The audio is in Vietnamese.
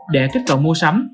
để kết cộng mua sắm